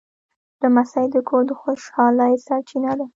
لمسی د کور د خوشحالۍ سرچینه ده.